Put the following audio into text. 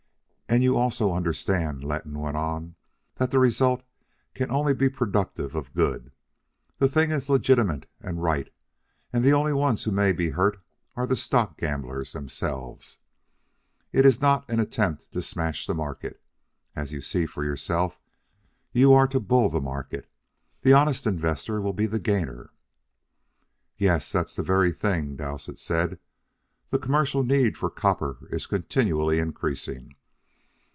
"And you also understand," Letton went on, "that the result can only be productive of good. The thing is legitimate and right, and the only ones who may be hurt are the stock gamblers themselves. It is not an attempt to smash the market. As you see yourself, you are to bull the market. The honest investor will be the gainer." "Yes, that's the very thing," Dowsett said. "The commercial need for copper is continually increasing.